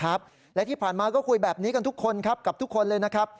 และที่ผ่านมาก็คุยแบบนี้กันทุกคนครับกับทุกคนเลยนะครับ